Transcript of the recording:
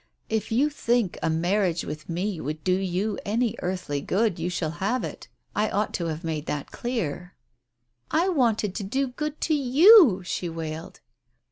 "If you think a marriage with me would do you any earthly good, you shall have it. I ought to have made that clear " "I wanted to do good to you!" she wailed.